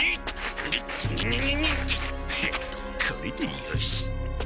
フンこれでよし！